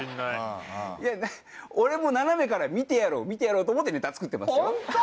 いや俺も斜めから見てやろう見てやろうと思ってネタ作ってますよ。